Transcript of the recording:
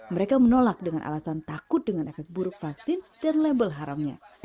mereka menolak dengan alasan takut dengan efek buruk vaksin dan label haramnya